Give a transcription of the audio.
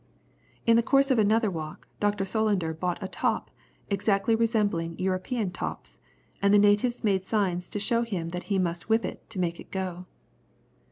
In the course of another walk, Dr. Solander bought a top exactly resembling European tops, and the natives made signs to show him that he must whip it to make it go.